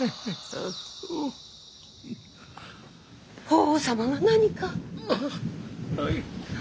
法皇様が何か。